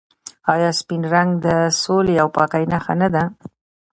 آیا سپین رنګ د سولې او پاکۍ نښه نه ده؟